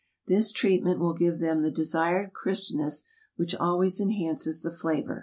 This treatment will give them the desirable crispness which always enhances the flavor.